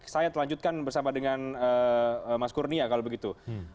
saya lanjutkan bersama dengan mas kurnia kalau begitu